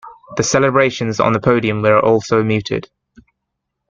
The celebrations on the podium were also muted.